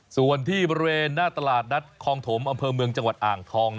ส่วนที่บริเวณหน้าตลาดนัดคองถมอำเภอเมืองจังหวัดอ่างทอง